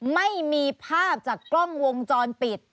ไม่มีภาพจากกล้องวงจรปิด